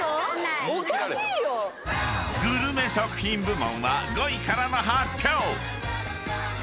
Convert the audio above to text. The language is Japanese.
［グルメ食品部門は５位からの発表］